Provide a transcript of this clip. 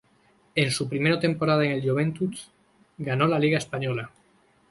En su primera temporada en el Joventut ganó la Liga Española.